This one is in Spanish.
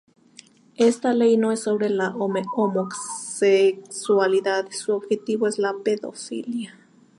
Esta ley no es sobre la homosexualidad, su objetivo es la pedofilia.